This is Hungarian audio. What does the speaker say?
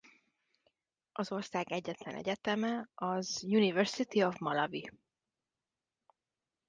Az ország egyetlen egyeteme az University of Malawi.